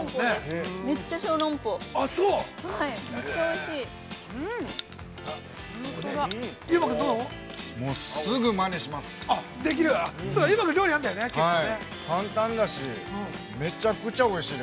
◆めっちゃおいしい。